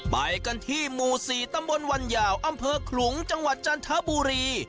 ไปกันที่หมู่๔ตำบลวันยาวอำเภอขลุงจังหวัดจันทบุรี